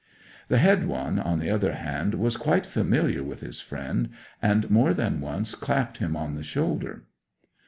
The head one, on the other hand, was quite familiar with his friend, and more than once clapped him on the shoulder.